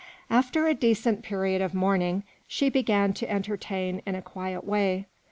After a decent period of mourning, she began to entertain in a quiet way.